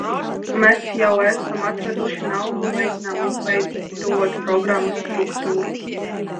Mēs jau esam atraduši naudu un mēģinām izveidot programmas struktūru.